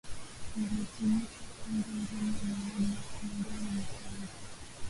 walihitimisha kwamba elimu ya mauaji ya kimbari ni changa